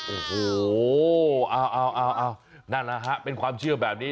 โอ้โหเอานั่นแหละฮะเป็นความเชื่อแบบนี้